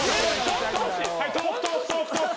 はいトークトークトークトーク。